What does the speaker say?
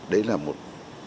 đấy là một